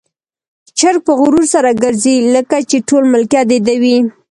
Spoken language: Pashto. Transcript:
چرګ په غرور سره ګرځي، لکه چې ټول ملکيت د ده وي.